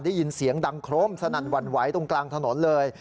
ได้ยินเสียงดังโครมสนั่นหวั่นไหวตรงกลางถนนเลย